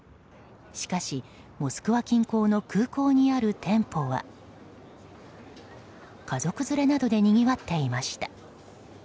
しかし、モスクワ近郊の空港にある店舗は家族連れなどでにぎわっていました。